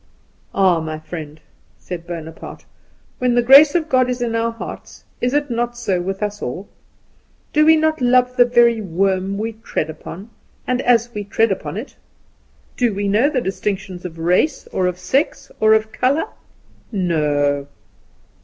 "Ah, my friend," said Bonaparte, "when the grace of God is in our hearts, is it not with us all? Do we not love the very worm we tread upon, and as we tread upon it? Do we know distinctions of race, or of sex, or of colour? No!